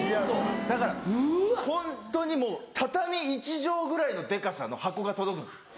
だからホントにもう畳１畳ぐらいのデカさの箱が届くんですよ。